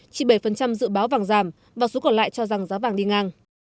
chỉ bảy dự báo vàng giảm và số còn lại cho rằng giá vàng đi ngang